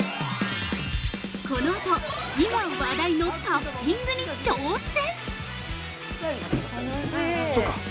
◆このあと、今、話題のタフティングに挑戦！